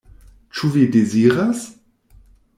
Ĉu vi deziras?